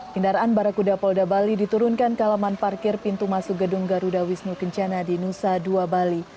kendaraan barakuda polda bali diturunkan ke alaman parkir pintu masuk gedung garuda wisnu kencana di nusa dua bali